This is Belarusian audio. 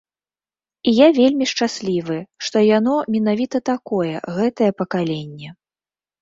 І я вельмі шчаслівы, што яно менавіта такое, гэтае пакаленне.